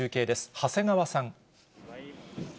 長谷川さん。